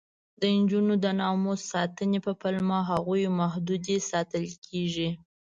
د نجونو د ناموس ساتنې په پلمه هغوی محدودې ساتل کېږي.